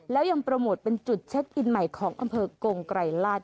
และยังประโบอตเป็นจุดเช็คอินไหนของอำเภอกรงไก่ราช